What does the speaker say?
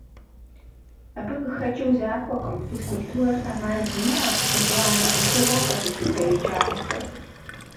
Абы къыхэкӀыу захуэкъым физкультурэр Ӏэмал зимыӀэу, етӀуанэ Ӏуэхугъуэу къэзылъытэ еджакӀуэхэр.